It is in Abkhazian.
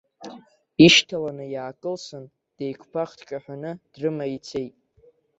Ишьҭаланы иаакылсын, деиқәԥах дҿаҳәаны дрыма ицеит.